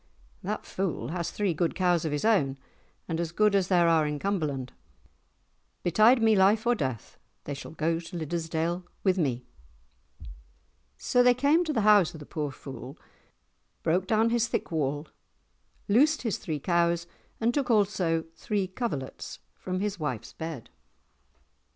"That fool has three good cows of his own, as good as there are in Cumberland. Betide me life or death, they shall go to Liddesdale with me!" So they came to the house of the poor fool, broke down his thick wall, loosed his three cows, and took also three coverlets from his wife's bed.